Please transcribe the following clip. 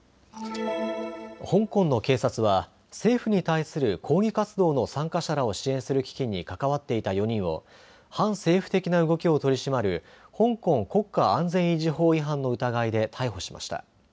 香港の警察は政府に対する抗議活動の参加者らを支援する基金に関わっていた４人を反政府的な動きを取り締まる香港国家安全維持法違反の疑いで逮捕しました。